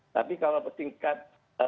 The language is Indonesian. tapi kalau bertingkat